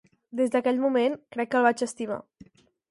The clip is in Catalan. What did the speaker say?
Des d'aquell moment, crec que el vaig estimar.